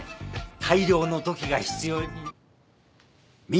大量の土器が必要に。